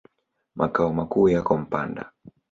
Makao makuu yako Mpanda.